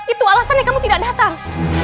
itu alasannya kamu tidak datang